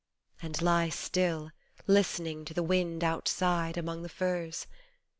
" And lie still, listening to the wind outside, among the firs.